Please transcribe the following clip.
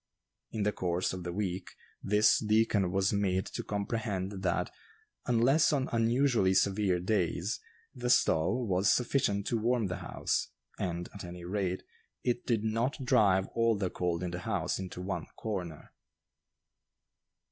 In the course of the week, this deacon was made to comprehend that, unless on unusually severe days, the stove was sufficient to warm the house, and, at any rate, it did not drive all the cold in the house into one corner.